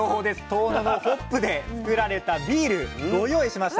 遠野のホップでつくられたビールご用意しました。